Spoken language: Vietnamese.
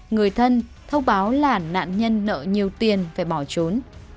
người thân thông báo là nạn nhân nợ nhiều tiền phải bỏ trốn